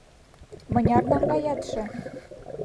— Мыняр наҥгаятше